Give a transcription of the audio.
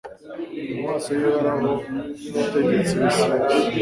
mu maso y’Uhoraho Umutegetsi w’isi yose